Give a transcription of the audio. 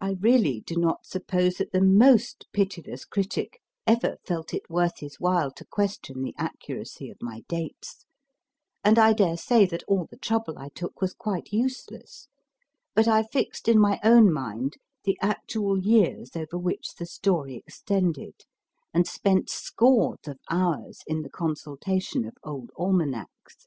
I really do not suppose that the most pitiless critic ever felt it worth his while to question the accuracy of my dates, and I dare say that all the trouble I took was quite useless, but I fixed in my own mind the actual years over which the story extended, and spent scores of hours in the consultation of old almanacs.